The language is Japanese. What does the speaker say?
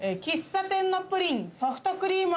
喫茶店のプリンソフトクリ